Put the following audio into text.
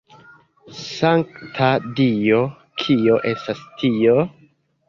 Sankta Dio, kio estas tio?